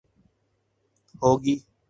ہو گی